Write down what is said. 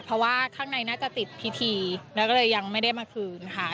เพราะว่าข้างในน่าจะติดพิธีแล้วก็เลยยังไม่ได้มาคืนค่ะ